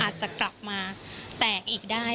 อาจจะกลับมาแตกอีกได้